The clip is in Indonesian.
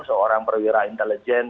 seorang perwira intelijen